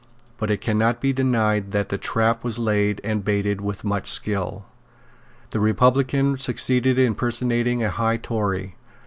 But it cannot be denied that the trap was laid and baited with much skill. The republican succeeded in personating a high Tory.